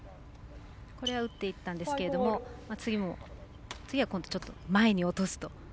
これは打っていったんですけど次は、ちょっと前に落とすと。